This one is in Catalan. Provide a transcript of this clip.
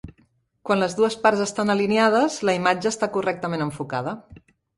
Quan les dues parts estan alineades la imatge està correctament enfocada.